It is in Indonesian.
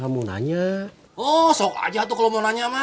aku mau ke sana